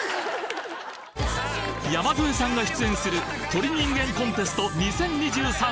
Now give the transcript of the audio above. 山添さんが出演する『鳥人間コンテスト２０２３』。